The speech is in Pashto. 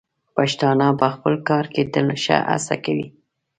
پښتانه په خپل کار کې تل ښه هڅه کوي.